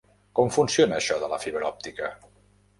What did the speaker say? Com funciona això de la fibra òptica?